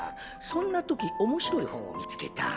そんなとき面白い本を見つけた。